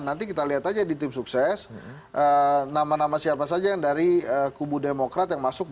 nanti kita lihat aja di tim sukses nama nama siapa saja yang dari kubu demokrat yang masuk